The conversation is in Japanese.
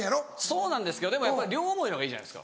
そうなんですけど両思いのほうがいいじゃないですか。